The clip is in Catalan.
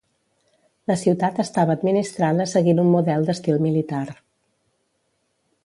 La ciutat estava administrada seguint un model d'estil militar.